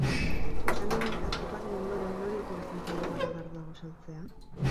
Izan ere, atzokoaren ondoren, nori okurritzen zaio garagardoa gosaltzea?